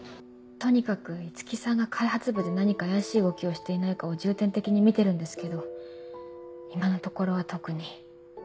とにかく五木さんが開発部で何か怪しい動きをしていないかを重点的に見てるんですけど今のところは特に。